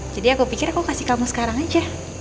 jadi aku pikir aku kasih kamu sekarang aja